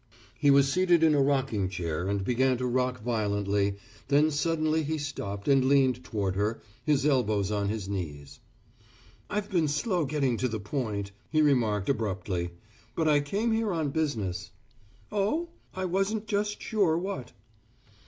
He was seated in a rocking chair and began to rock violently, then suddenly he stopped and leaned toward her, his elbows on his knees. "I've been slow getting to the point," he remarked abruptly, "but I came here on business." "Oh, I wasn't just sure what."